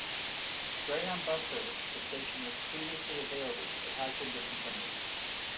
Greyhound Bus service to the station was previously available but has been discontinued.